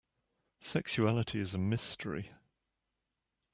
Sexuality is a mystery.